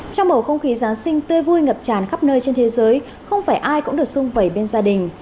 trong bầu không khí giáng sinh tươi vui ngập tràn khắp nơi trên thế giới không phải ai cũng được xung vầy bên gia đình